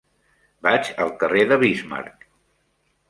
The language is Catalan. Vaig al carrer de Bismarck.